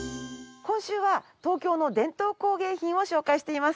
今週は東京の伝統工芸品を紹介しています。